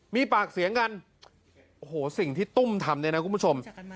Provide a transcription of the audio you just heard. มีปากเสียงกันโอ้โหสิ่งที่ตุ้มทำเนี่ยนะคุณผู้ชม